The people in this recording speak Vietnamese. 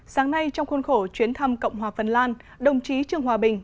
sáng nay trong khuôn khổ chuyến thăm cộng hòa phần lan đồng chí trương hòa bình